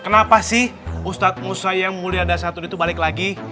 kenapa sih ustadz musay yang mulia dasat itu balik lagi